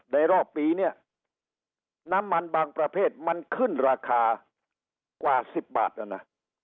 รอบปีเนี่ยน้ำมันบางประเภทมันขึ้นราคากว่า๑๐บาทแล้วนะ